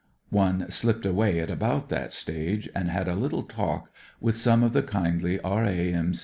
One slipped away at about that stage and had a Uttle talk with some of the kindly R.A.M.